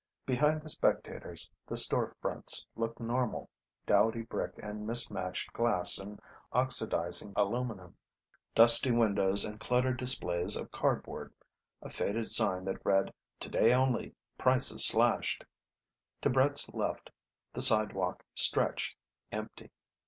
Behind the spectators, the store fronts looked normal, dowdy brick and mismatched glass and oxidizing aluminum, dusty windows and cluttered displays of cardboard, a faded sign that read TODAY ONLY PRICES SLASHED. To Brett's left the sidewalk stretched, empty.